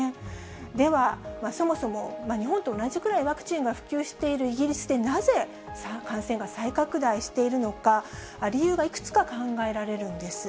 では、そもそも日本と同じくらいワクチンが普及しているイギリスでなぜ感染が再拡大しているのか、理由がいくつか考えられるんです。